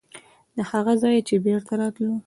د هغه ځایه چې بېرته راتلو.